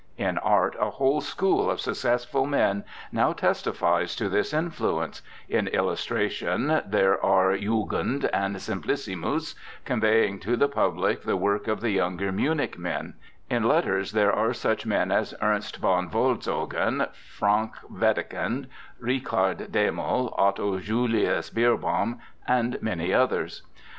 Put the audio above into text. In art a whole school of successful men now testifies to this influence; in illustration there are Jugend and Simplicissimus, conveying to the public the work of the younger Munich men; in letters there are such men as Ernst Von Wolzogen, Frank Wedekind, Richard Dehmel, Otto Julius Bierbaum, and many others.